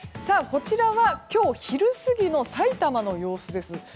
こちらは、今日昼過ぎの埼玉の様子です。